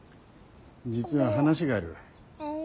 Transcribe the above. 実は話がある。